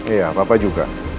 iya papa juga